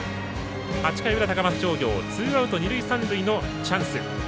８回の裏、高松商業ツーアウト、二塁三塁のチャンス。